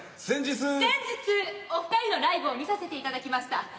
先日お二人のライブを見させていただきました。